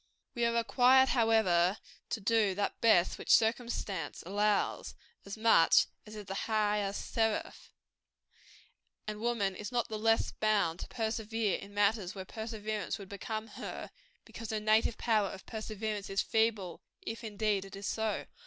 We are required, however, to do that best which "circumstance" does allow, as much as is the highest seraph; and woman is not the less bound to persevere in matters where perseverance would become her, because her native power of perseverance is feeble, if indeed it is so.